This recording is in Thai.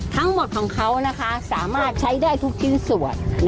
ทั้งหมดของเขาสามารถใช้ได้ทุกชิ้นส่วน